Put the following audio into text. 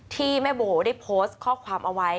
ที่แม่โบได้โพสต์ข้อความเอาไว้